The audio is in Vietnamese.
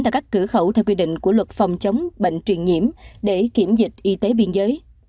tại các cửa khẩu theo quy định của luật phòng chống bệnh truyền nhiễm để kiểm dịch y tế biên giới